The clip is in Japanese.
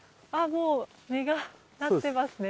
もう実がなってますね。